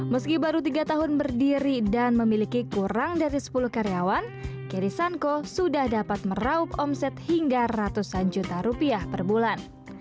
meski baru tiga tahun berdiri dan memiliki kurang dari sepuluh karyawan kiri sanko sudah dapat meraup omset hingga ratusan juta rupiah per bulan